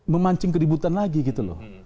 memancing keributan lagi gitu loh